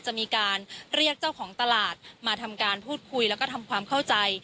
จะมีการเรียกเจ้าของตลาดมาทำการพูดคุยแล้วก็ทำความเข้าใจ